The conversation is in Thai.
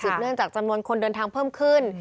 เนื่องจากจำนวนคนเดินทางเพิ่มขึ้น